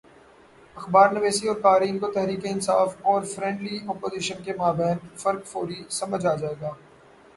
اخبارنویسوں اور قارئین کو تحریک انصاف اور فرینڈلی اپوزیشن کے مابین فرق فوری سمجھ آ جائے گا۔